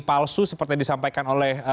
palsu seperti disampaikan oleh